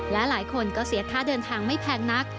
และหลายคนก็เสียค่าเดินทางไม่แพงนัก